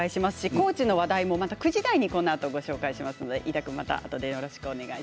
高知の話題は９時台にこのあとご紹介します。